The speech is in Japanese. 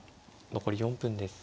残り４分です。